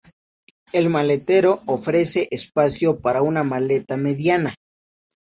El maletero ofrece espacio para una maleta mediana.